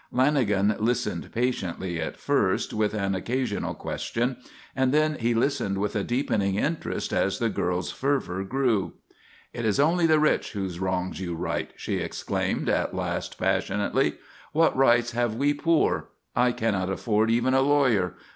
Lanagan listened patiently at first, with an occasional question; and then he listened with a deepening interest as the girl's fervour grew. "It is only the rich whose wrongs you right!" she exclaimed at last passionately. "What rights have we poor? I cannot afford even a lawyer.